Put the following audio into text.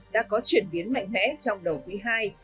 đã có chuyển biến mạnh mẽ trong đầu quỹ hai